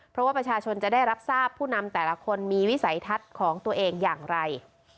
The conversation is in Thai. เพราะว่าประชาชนจะได้รับทราบผู้นำแต่ละคนมีวิสัยทัศน์ของตัวเองอย่างไร